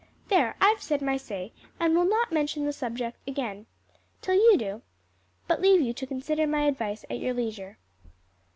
"There, I've said my say, and will not mention the subject again till you do, but leave you to consider my advice at your leisure."